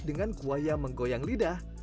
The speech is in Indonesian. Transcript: dengan kuah yang menggoyang lidah